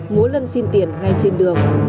muốn lân xin tiền ngay trên đường